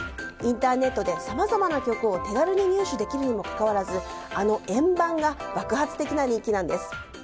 インターネットでさまざまな曲を手軽に入手できるにもかかわらずあの円盤が爆発的な人気なんです。